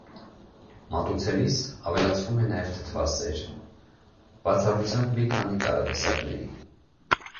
Մատուցելիս ավելացվում է նաև թթվասեր, բացառությամբ մի քանի տարատեսակների։